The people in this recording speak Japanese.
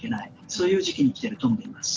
そういう時期にきていると思います。